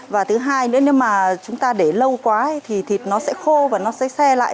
và thứ hai nếu mà chúng ta để lâu quá thì thịt nó sẽ khô và nó sẽ xe lại